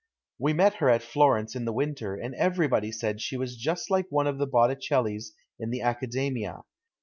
We met her at Florence in the winter, and everybody said she was just like one of the Botticellis in the Accadcmia.